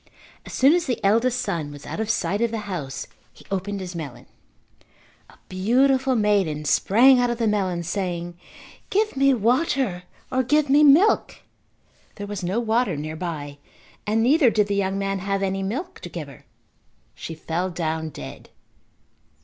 As soon as the eldest son was out of sight of the house he opened his melon. A beautiful maiden sprang out of the melon saying, "Give me water or give me milk." There was no water nearby and neither did the young man have any milk to give her. She fell down dead.